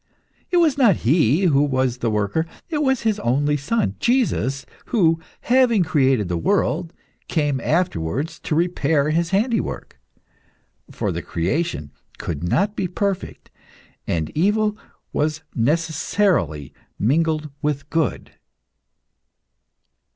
It was not He who was the worker, it was His only Son, Jesus, who, having created the world, came afterwards to repair His handiwork. For the creation could not be perfect, and evil was necessarily mingled with good."